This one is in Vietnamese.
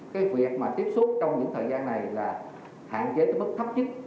cái việc mà tiếp xúc trong những thời gian này là hạn chế tới mức thấp chức